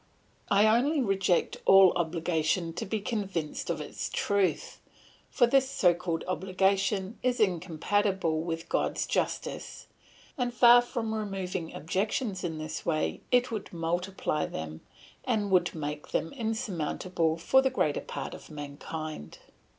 I only reject all obligation to be convinced of its truth; for this so called obligation is incompatible with God's justice, and far from removing objections in this way it would multiply them, and would make them insurmountable for the greater part of mankind.